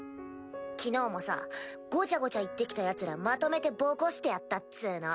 昨日もさごちゃごちゃ言ってきたヤツらまとめてボコしてやったっつぅの。